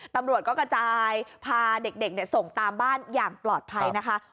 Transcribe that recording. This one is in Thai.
ตำรวจก็กระจายพาเด็กส่งตามบ้านอย่างปลอดภัยนะคะ